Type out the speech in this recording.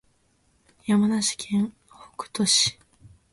山梨県北杜市